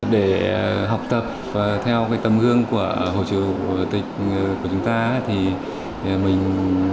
để học tập theo cái tầm gương của hồ chủ tịch của chúng ta thì mình